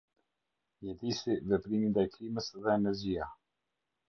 Mjedisi, Veprimi ndaj Klimës dhe Energjia.